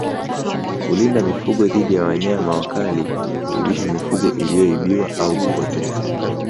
Kulinda mifugo dhidi ya wanyama wakali kurudisha mifugo iliyoibiwa au kupotea